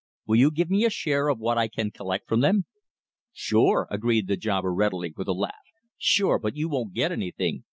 Will you give me a share of what I can collect from them?" "Sure!" agreed the jobber readily, with a laugh. "Sure! But you won't get anything.